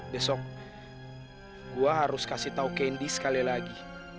desok gue harus kasih tau candy sekali lagi